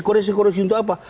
koreksi koreksi untuk apa